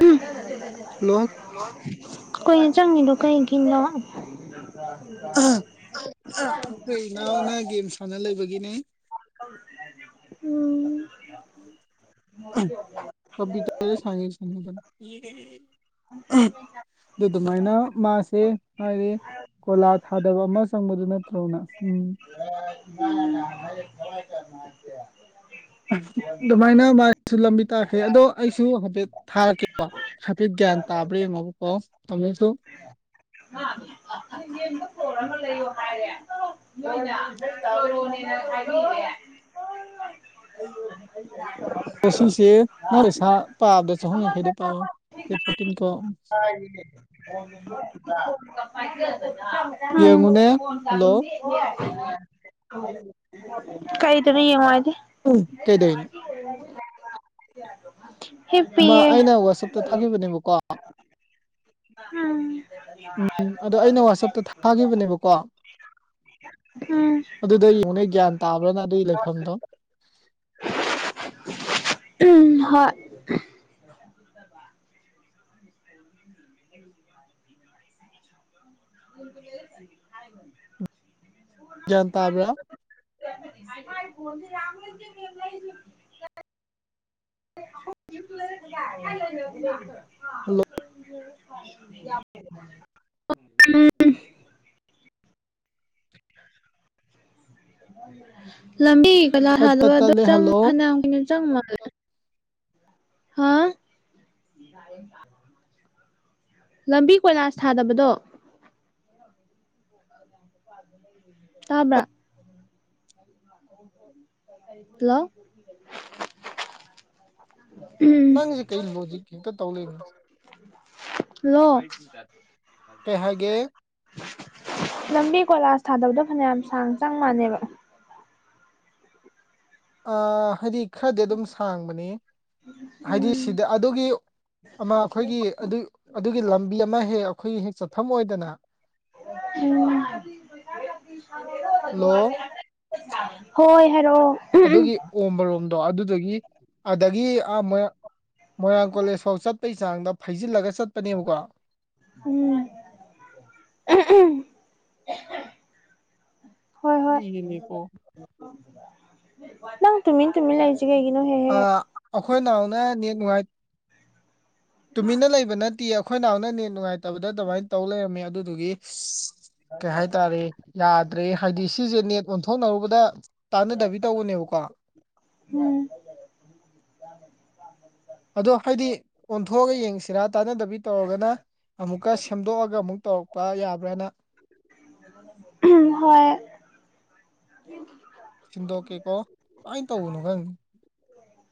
ꯎꯝ hello ꯀꯨꯏꯅ ꯆꯥꯡꯉꯦꯗꯣ ꯀꯩꯒꯤꯅꯣ [unintelligible] ꯑꯩꯈꯣꯏ ꯏꯅꯥꯎꯅ ꯒꯦꯝ ꯁꯥꯟꯅ ꯂꯩꯕꯒꯤꯅꯦ ꯎꯝ [unintelligible] [unintelligible] ꯑꯗꯨ ꯑꯗꯨꯃꯥꯏꯅ ꯃꯥꯁꯦ ꯍꯥꯏꯔ‌ꯦ ꯀꯣꯂꯥ ꯊꯥꯗꯕ ꯑꯃ ꯆꯪꯕꯗꯨ ꯅꯠꯇ꯭ꯔꯣꯅ ꯎꯝ [unintelligible] ꯑꯗꯨꯃꯥꯏꯅ ꯃꯥꯥꯏꯁꯨ ꯂꯝꯕꯤ ꯇꯥꯈ꯭ꯔꯦ ꯑꯗꯣ ꯑꯩꯁꯨ ꯍꯥꯏꯐꯦꯠ ꯊꯥꯔꯛꯀꯦ꯫ ꯀ‌ꯣ ꯍꯥꯏꯐ‌ꯦꯠ ꯒ꯭ꯌꯥꯟ ꯇꯥꯕꯔ ꯌꯦꯡꯑꯣꯕꯀꯣ ꯑꯃꯨꯛꯁꯨ [unintelligible] ꯐꯣꯟ ꯑꯃ ꯂꯩꯎ ꯍꯥꯏꯔꯦ [unintelligible] [unintelligible] ꯀꯣꯁꯤꯁꯦ ꯅꯪ ꯄꯩꯁꯥ ꯄꯥꯕꯗ ꯆꯍꯨꯝ ꯌꯥꯡꯈꯩꯗꯣ ꯄꯥꯌꯣ ꯗꯩ ꯐꯣꯔꯇꯤꯟ ꯀꯛꯑꯣ [unintelligible] ꯌꯦꯡꯉꯨꯅꯦ ꯍꯜꯂꯣ [unintelligible] ꯀꯥꯏꯗꯅ ꯌꯦꯡꯉ‌ꯣ ꯍꯥꯏꯗꯤ ꯎꯝ ꯀꯩꯗꯧꯏꯅ‌ꯣ ꯃꯥ ꯍꯤꯞꯄꯤꯌꯦ ꯑꯩꯅ ꯋꯥꯆꯞꯇ ꯊꯥꯈꯤꯕꯅꯦꯕꯀꯣ ꯎꯝ ꯎꯝ ꯑꯗꯣ ꯑꯩꯅ ꯋꯥꯆꯞꯇ ꯊꯥꯈꯤꯕꯅꯦꯕꯀꯣ꯫ ꯎꯝ ꯑꯗꯨꯗ ꯌꯦꯡꯉꯨꯅꯦ ꯒ꯭ꯌꯥꯟ ꯇꯥꯕ꯭ꯔꯅ ꯑꯗꯨꯒꯤ ꯂꯩꯐꯝꯗꯣ꯫ ꯎꯝ ꯍꯣꯏ [unintelligible] ꯒꯥꯟ ꯇꯥꯕ꯭ꯔ [unintelligible] ꯍꯜꯂꯣ ꯌꯥ [unintelligible] [unintelligible] [inaudible] ꯂꯝꯕꯤ ꯀ‌ꯣꯆꯂꯥ ꯄꯠ ꯄꯠ ꯊꯥꯗꯕꯗꯣ ꯇꯠꯂꯦ ꯆꯪ ꯍꯜꯂꯣ ꯐꯅꯌꯥꯝ ꯀꯨꯏꯅ ꯆꯪ ꯃꯥꯜꯂꯦ ꯍꯥꯥ [unintelligible] ꯂꯝꯕꯤ ꯀꯣꯏꯂꯥꯁ ꯊꯥꯗꯕꯗꯣ [inaudible] ꯇꯕ꯭ꯔꯥ ꯍꯂꯣ [unintelligible] ꯅꯪꯁꯦ ꯀꯩ ꯂꯣꯖꯤꯛ ꯍꯦꯛꯇ ꯇꯧ ꯂꯩꯔꯝꯃꯤꯁ‌ꯦ ꯍꯜꯂꯣ ꯀꯩ ꯍꯥꯏꯒꯦ ꯂꯝꯕꯤ ꯀꯣꯂꯥꯁ ꯊꯥꯗꯕꯗꯣ ꯐꯅꯌꯥꯝ ꯁꯥꯡ ꯆꯪ ꯃꯥꯟꯂꯦꯕ ꯑ ꯍꯥꯏꯗꯤ ꯈꯔꯗꯤ ꯑꯗꯨꯝ ꯁꯥꯡꯕꯅꯤ ꯍꯥꯏꯗꯤ ꯎꯝ ꯁꯤꯗ ꯑꯗꯨꯒꯤ ꯑꯃ ꯑꯩꯈꯣꯏꯒꯤ ꯑꯗꯨ ꯑꯗꯨꯒꯤ ꯂꯝꯕꯤ ꯑꯃ ꯍꯦꯛ ꯑꯩꯈꯣꯏꯒꯤ ꯍꯦꯛ ꯆꯠꯐꯝ ꯑꯣꯏꯗꯅ ꯎꯝ ꯍꯜꯂꯣ ꯍꯣꯏ ꯍꯥꯏꯔꯛꯑꯣ ꯎꯝ ꯑꯗꯨꯒꯤ ꯎꯃꯔꯣꯝꯗꯣ ꯑꯗꯨꯗꯨꯒꯤ ꯑꯗꯒꯤ ꯑ ꯃꯣꯏ ꯃꯣꯏꯔꯥꯡ ꯀꯣꯂꯦꯖ ꯐꯥꯎ ꯆꯠꯄꯩ ꯆꯥꯡꯗ ꯐꯩꯖꯤꯜꯂꯒ ꯆꯠꯄꯅꯦꯕꯀꯣ꯫ ꯎꯝ [unintelligible] ꯍꯣꯏ ꯃꯤꯒꯤꯅꯤꯀꯣ [inaudible] ꯅꯪ ꯇꯨꯃꯤꯟ ꯇꯨꯃꯤꯟ ꯂꯩꯔꯤꯁꯤ ꯀꯩꯒꯤꯅꯣ ꯍꯦꯛꯍꯦꯛ꯫ ꯑꯥ ꯑꯩꯈꯣꯏ ꯅꯥꯎꯅ ꯅꯦꯠ ꯅꯨꯡꯉꯥꯏ ꯇꯨꯃꯤꯟꯅ ꯂꯩꯕ ꯅꯠꯇꯤꯌ‌ꯦ ꯑꯩꯈꯣꯏ ꯅꯥꯎꯅ ꯅꯦꯠ ꯅꯨꯡꯉꯥꯏꯇꯕꯗ ꯑꯗꯨꯃꯥꯏꯅ ꯇꯧ ꯂꯩꯔꯝꯃꯦ ꯑꯗꯨꯗꯨꯒꯤ ꯀꯩ ꯍꯥꯏ ꯇꯥꯔꯦ ꯌꯥꯗ꯭ꯔꯦ ꯍꯥꯏꯗꯤ ꯁꯤꯁꯦ ꯅꯦꯠ ꯑꯣꯟꯊꯣꯛꯅꯔꯨꯕꯗ ꯇꯥꯟꯅꯗꯕꯤ ꯇꯧꯕꯅꯦꯕꯀꯣ꯫ ꯎꯝ ꯑꯗꯣ ꯍꯥꯏꯗꯤ ꯑꯣꯟꯊꯣꯛꯑꯒ ꯌꯦꯡꯁꯤꯔꯥ ꯇꯥꯟꯅꯗꯕꯤ ꯇꯧꯔꯒꯅ ꯑꯃꯨꯛꯀ ꯁꯦꯝꯗꯣꯛꯑꯒ ꯑꯃꯨꯛ ꯇꯧꯔꯛꯄ ꯌꯥꯕ꯭ꯔꯥꯅ ꯍꯣꯏ ꯁꯤꯟꯗꯣꯛꯀꯦꯀꯣ ꯀꯃꯥꯏꯅ ꯇꯧꯕꯅꯣ ꯈꯪ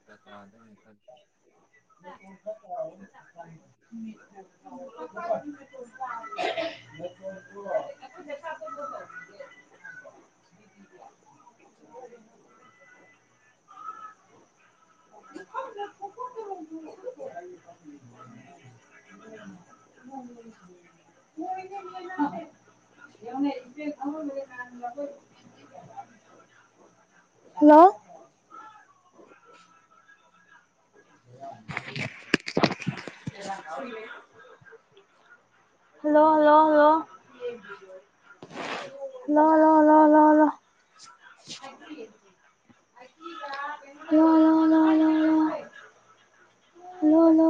[unintelligible] [unintelligible] [unintelligible] [unintelligible] [inaudible] hello. [unintelligible] Hello hello hello hello hello hello hello hello hello hello hello hello ꯍꯥꯜꯂꯣ